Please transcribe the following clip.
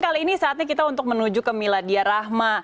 kali ini saatnya kita untuk menuju ke miladia rahma